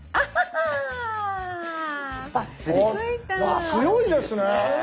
あっ強いですね。